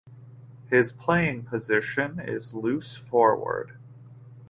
His playing position is loose forward.